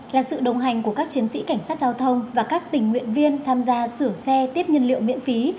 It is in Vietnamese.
là sự đồng hành của các chiến sĩ cảnh sát giao thông và các tình nguyện viên tham gia sửa xe tiếp nhiên liệu miễn phí